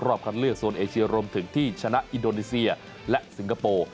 คัดเลือกโซนเอเชียรวมถึงที่ชนะอินโดนีเซียและสิงคโปร์